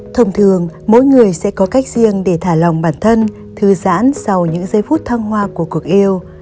thông thường mỗi người sẽ có cách riêng để thả lòng bản thân thư giãn sau những giây phút thăng hoa của cuộc yêu